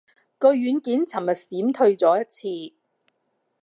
個軟件尋日閃退咗一次